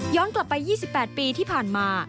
กลับไป๒๘ปีที่ผ่านมา